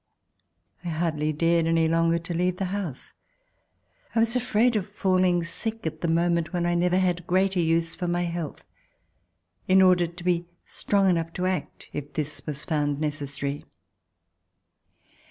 I hardly dared any longer to leave the house. I was afraid of falling sick at the moment when I never had had greater use for my health, in order to be strong enough to act, If this was found necessary.